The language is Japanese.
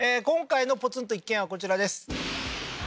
今回のポツンと一軒家はこちらです